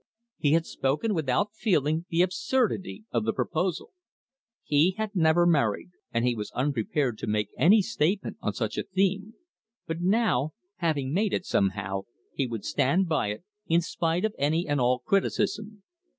He had spoken without feeling the absurdity of the proposal. He had never married, and he was unprepared to make any statement on such a theme; but now, having made it somehow, he would stand by it, in spite of any and all criticism.